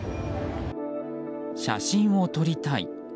写真を撮りたい。